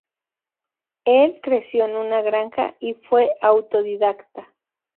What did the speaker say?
Él creció en una granja y fue autodidacta.